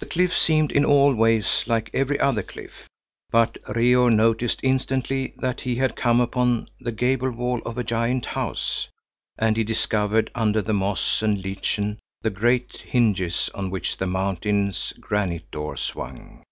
The cliff seemed in all ways like every other cliff, but Reor noticed instantly that he had come upon the gable wall of a giant's house, and he discovered under moss and lichen the great hinges on which the mountain's granite door swung.